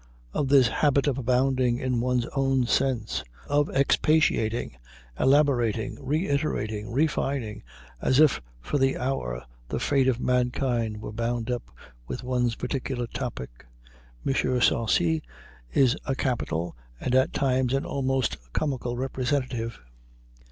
Of this habit of abounding in one's own sense, of expatiating, elaborating, reiterating, refining, as if for the hour the fate of mankind were bound up with one's particular topic, M. Sarcey is a capital and at times an almost comical representative.